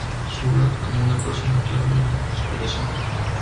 Surratt como una persona clave en la conspiración.